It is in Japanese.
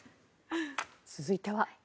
続いては。